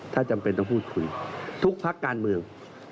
ถ้าจำเป็นต้องพูดคุยทุกพักการเมือง